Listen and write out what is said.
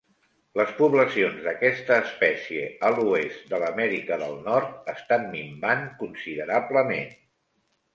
Les poblacions d'aquesta espècie a l'oest de l'Amèrica del Nord estan minvant considerablement.